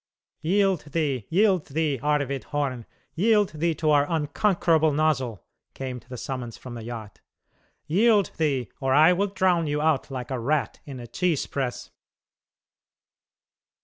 "Yield thee, yield thee, Arvid Horn; yield thee to our unconquerable nozzle," came the summons from the yacht; "yield thee, or I will drown you out like a rat in a cheese press!"